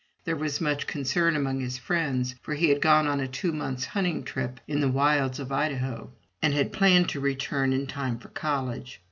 There was much concern among his friends, for he had gone on a two months' hunting trip into the wilds of Idaho, and had planned to return in time for college.